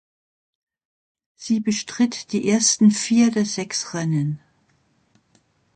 Sie bestritt die ersten vier der sechs Rennen.